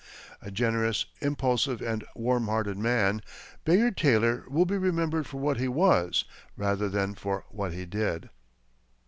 A generous, impulsive and warm hearted man, Bayard Taylor will be remembered for what he was, rather than for what he did.